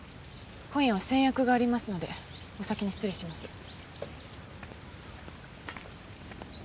今夜は先約がありますのでお先に失礼します。